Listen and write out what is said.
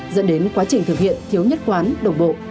dẫn đến quá trình thực hiện thiếu nhất quán đồng bộ